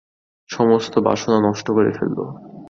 সমস্ত বাসনা নষ্ট করে ফেল।